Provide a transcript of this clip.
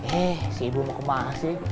eh si ibu mau kemas sih